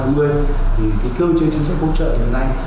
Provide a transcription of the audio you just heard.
thì cái cơ chế chính sách hỗ trợ hiện nay